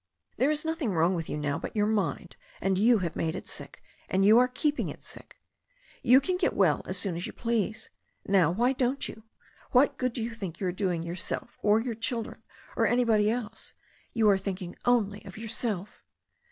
"There is nothing wrong with you now but your mind, and you have made it sick, and you are keeping it sick. You can get well as soon as you please. Now, why don't you? What good do you think you are doing yourself or your children, or anybody else? You are thinking only of yourself."